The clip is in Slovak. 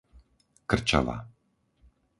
Krčava